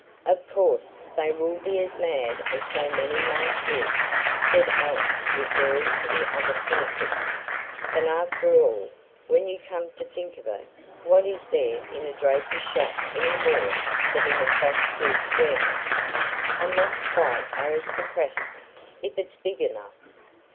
"Of course, they will be as mad as so many March hares," said Alice, referring to the other Pennycuicks. "But after all, when you come to think of it, what is there in a draper's shop any more than in a soft goods warehouse? and that's quite aristocratic, if it's big enough.